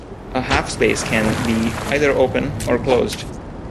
A half-space can be either "open" or "closed".